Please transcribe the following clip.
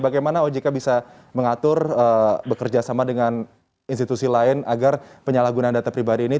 bagaimana ojk bisa mengatur bekerja sama dengan institusi lain agar penyalahgunaan data pribadi ini